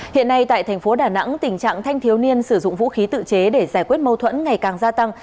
hiện nay tại thành phố đà nẵng tình trạng thanh thiếu niên sử dụng vũ khí tự chế để giải quyết mâu thuẫn ngày càng gia tăng